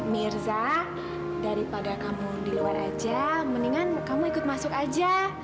mirza daripada kamu di luar aja mendingan kamu ikut masuk aja